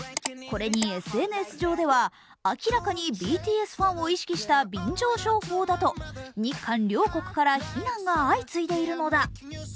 これにＳＮＳ上では、明らかにＢＴＳファンを意識した便乗商法だと日韓両国から非難が相次いでいるのだ。